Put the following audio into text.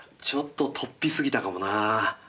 ちょっととっぴすぎたかもな。